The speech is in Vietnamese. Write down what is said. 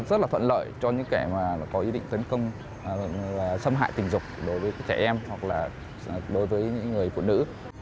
rất là thuận lợi cho những kẻ mà có ý định tấn công xâm hại tình dục đối với trẻ em hoặc là đối với những người phụ nữ